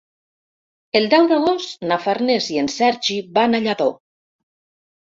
El deu d'agost na Farners i en Sergi van a Lladó.